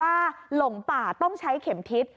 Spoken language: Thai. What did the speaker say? หลงป่าต้องใช้เข็มทิศ